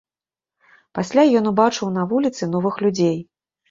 Пасля ён убачыў на вуліцы новых людзей.